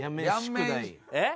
えっ？